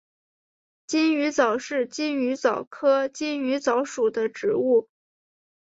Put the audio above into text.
金鱼藻是金鱼藻科金鱼藻属的植物。